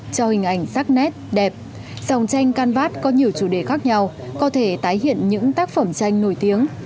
để tạo thành sắc nét đẹp dòng tranh can vát có nhiều chủ đề khác nhau có thể tái hiện những tác phẩm tranh nổi tiếng